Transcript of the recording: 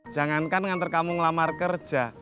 jangankan ngantar kamu ngelamar kerja